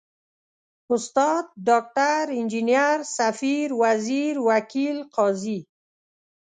استاد، ډاکټر، انجنیر، ، سفیر، وزیر، وکیل، قاضي ...